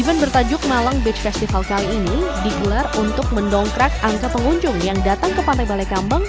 event bertajuk malang beach festival kali ini digelar untuk mendongkrak angka pengunjung yang datang ke pantai balai kambang